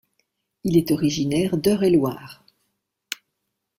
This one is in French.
Il est originaire d'Eure-et-Loir.